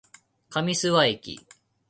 上諏訪駅